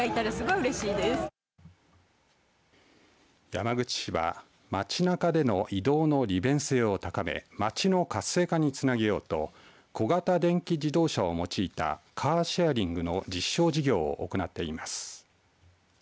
山口市は街なかでの移動の利便性を高め街の活性化につなげようと小型電気自動車を用いたカーシェアリングの実証事業を行っています。